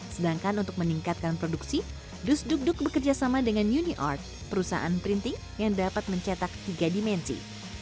sedangkan untuk meningkatkan produksi dus dugduk bekerjasama dengan uniart perusahaan printing yang dapat mencetak tiga dimensi